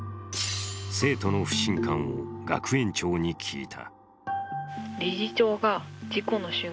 生徒の不信感を学園長に聞いた。